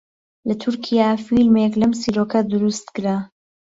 لە تورکیا فیلمێک لەم چیرۆکە دروست کرا